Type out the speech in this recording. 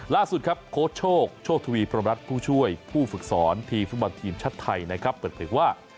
ล่าสุดโค้ดโชคโชคทวีพรรณรัฐผู้ช่วยผู้ฝึกสอนทีมฟุตบอลทีมชาติไทยเปิดผลิกว่า